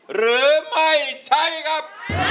หรือไม่ใช้ครับ